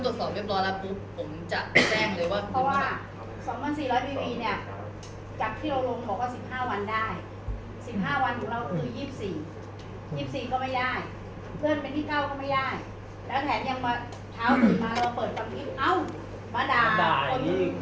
แขนยังมาเท้าตื่นมาเราเปิดฟังทิพย์เอ้ามาด่ามันมีอีกกว่าสมองหมาเป็นยาควาย